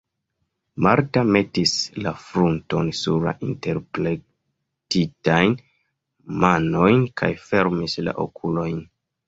Marta metis la frunton sur la interplektitajn manojn kaj fermis la okulojn.